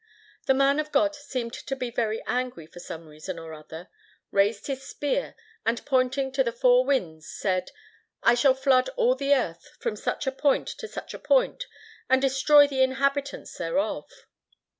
The Man of God seemed to be very angry for some reason or other, raised his spear, and, pointing to the four winds, said, "I shall flood all the earth from such a point to such a point, and destroy the inhabitants thereof."